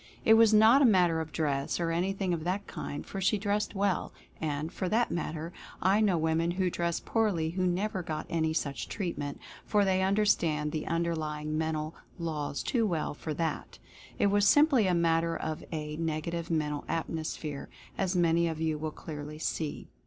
It was not a matter of dress, or anything of that kind, for she dressed well — and, for that matter, I know women who dress 196 Mental Fascination poorly who never get any such treatment, for they understand the underlying mental laws too well for that. It was simply a matter of a Negative Mental Atmosphere, as many of you will clearly see.